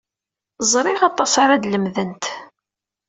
Ẓriɣ aṭas ara d-lemdent.